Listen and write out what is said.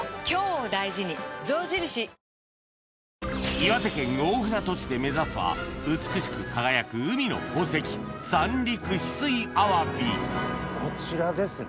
岩手県大船渡市で目指すは美しく輝く海の宝石三陸翡翠あわびこちらですね？